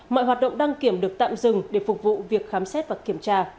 mọi hoạt động đăng kiểm được tạm dừng để phục vụ việc khám xét và kiểm tra